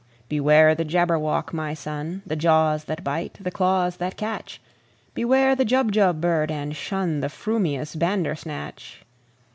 "Beware the Jabberwock, my son! The jaws that bite, the claws that catch! Beware the Jubjub bird, and shunThe frumious Bandersnatch!"